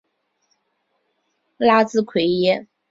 拉兹奎耶。